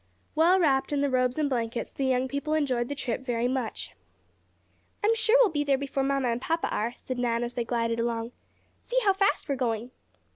Well wrapped in the robes and blankets, the young people enjoyed the trip very much. "I'm sure we'll be there before papa and mamma are," said Nan as they glided along. "See how fast we are going."